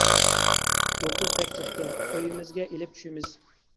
يۇلتۇز بەك جىقكەن، ئۆيىمىزگە ئېلىپ چۈشىمىز.